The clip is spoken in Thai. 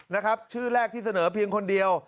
นะครับชื่อแรกที่เสนอเพียงคนเดียว